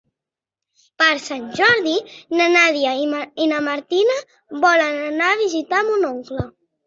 Per Sant Jordi na Nàdia i na Martina volen anar a visitar mon oncle.